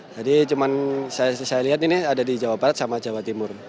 jadi cuma saya lihat ini ada di jawa barat sama jawa timur